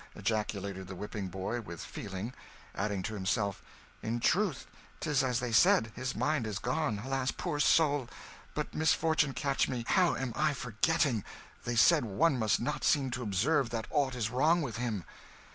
ejaculated the whipping boy, with feeling; adding, to himself, "In truth 'tis as they said his mind is gone alas, poor soul! But misfortune catch me, how am I forgetting! They said one must not seem to observe that aught is wrong with him."